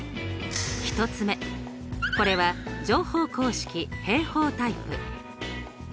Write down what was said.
１つ目これは乗法公式平方タイプ。